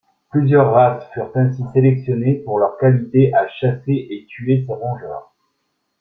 Plusieurs races furent ainsi sélectionnés pour leur qualité à chasser et tuer ces rongeurs.